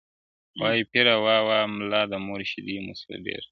واه پيره، واه، واه مُلا د مور سيدې مو سه، ډېر.